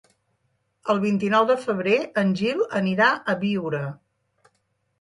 El vint-i-nou de febrer en Gil anirà a Biure.